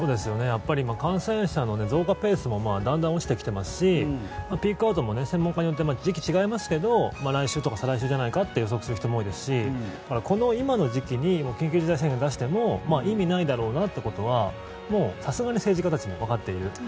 やっぱり感染者の増加ペースもだんだん落ちてきていますしピークアウトも専門家によって時期が違いますが来週とか再来週じゃないかと予測する人も多いですしこの今の時期に緊急事態宣言を出しても意味ないだろうなってことはもうさすがに政治家たちもわかっている。